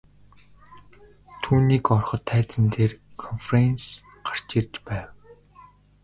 Түүнийг ороход тайзан дээр КОНФЕРАНСЬЕ гарч ирж байв.